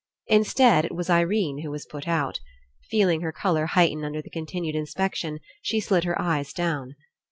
Instead, it was Irene who was put out. Feeling her colour heighten under the continued Inspection, she slid her eyes down.